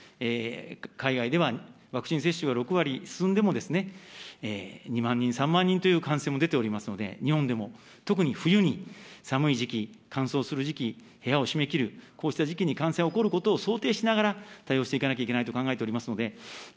海外ではワクチン接種が６割進んでも、２万人、３万人という感染も出ておりますので、日本でも、特に冬に寒い時期、乾燥する時期、部屋を閉めきる、こうした時期に感染が起こることを想定しながら対応していかなければいけないと考えております。